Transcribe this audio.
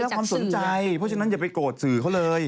ความสนใจเพราะฉะนั้นอย่าไปโกรธสื่อเขาเลย